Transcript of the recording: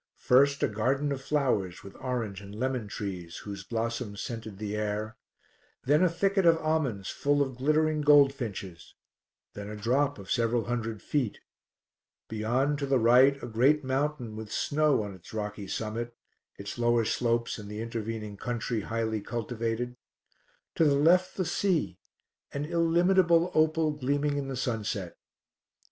First a garden of flowers with orange and lemon trees whose blossoms scented the air, then a thicket of almonds full of glittering goldfinches, then a drop of several hundred feet; beyond, to the right, a great mountain with snow on its rocky summit, its lower slopes and the intervening country highly cultivated; to the left the sea, an illimitable opal gleaming in the sunset.